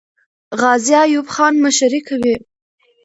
غازي ایوب خان مشري کوي.